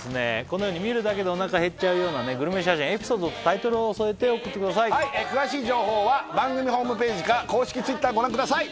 このように見るだけでお腹減っちゃうようなねグルメ写真エピソードとタイトルを添えて送ってください詳しい情報は番組ホームページか公式Ｔｗｉｔｔｅｒご覧ください